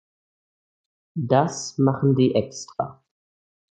Das machen die extra.